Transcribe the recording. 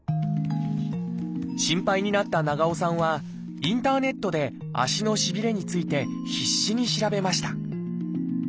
心配になった長尾さんはインターネットで足のしびれについて必死に調べました。